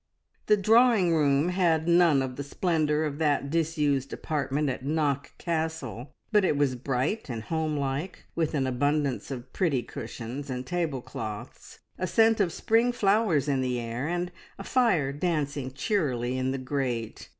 The drawing room had none of the splendour of that disused apartment at Knock Castle, but it was bright and home like, with an abundance of pretty cushions and tablecloths, a scent of spring flowers in the air, and a fire dancing cheerily in the grate.